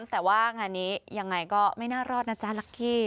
แต่ว่างานนี้ยังไงก็ไม่น่ารอดนะจ๊ะลักขี้